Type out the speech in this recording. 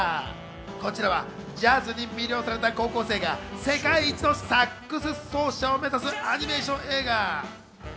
こちらはジャズに魅了された高校生が世界一のサックス奏者を目指すアニメーション映画。